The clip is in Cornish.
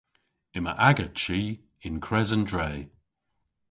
Yma aga chi yn kres an dre.